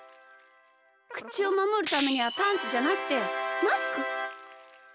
くちをまもるためにはパンツじゃなくてマスク！